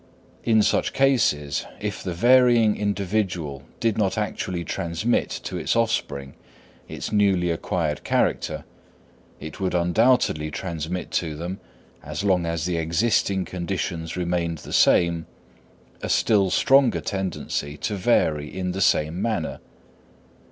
In such cases, if the varying individual did not actually transmit to its offspring its newly acquired character, it would undoubtedly transmit to them, as long as the existing conditions remained the same, a still stronger tendency to vary in the same manner.